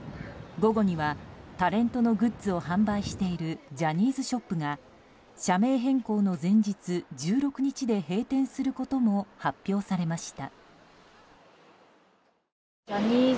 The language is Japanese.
午後にはタレントのグッズを販売しているジャニーズショップが社名変更の前日１６日で閉店することも発表されました。